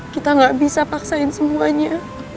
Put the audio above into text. kita gak bisa paksain semuanya